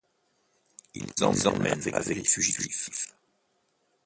Ils emmènent avec eux les fugitifs.